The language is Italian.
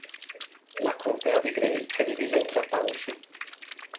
La contea di Gray è divisa in tre township.